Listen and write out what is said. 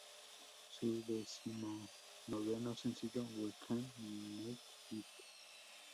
Su decimonoveno sencillo "We Can Make It!